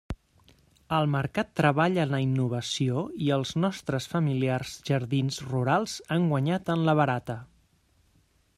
El mercat treballa la innovació i els nostres familiars jardins rurals han guanyat en la barata.